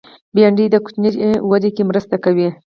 بېنډۍ د ماشوم وده کې مرسته کوي